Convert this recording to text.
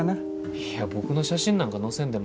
いや僕の写真なんか載せんでも。